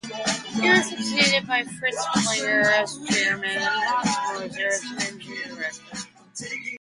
He was succeeded by Fritz Klingler as chairman and Hans Moser as managing director.